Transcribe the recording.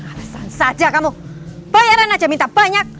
alasan saja kamu bayaran aja minta banyak